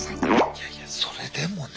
いやいやそれでもね。